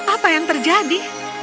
apa yang terjadi